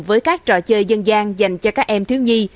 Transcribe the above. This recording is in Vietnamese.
với các trò chơi dân gian dành cho các em thiếu nhi